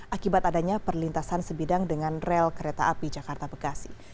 akibat adanya perlintasan sebidang dengan rel kereta api jakarta bekasi